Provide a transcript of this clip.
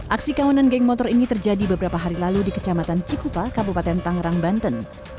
aksi kawanan geng motor ini terjadi beberapa hari lalu di kecamatan cikupa kabupaten tangerang banten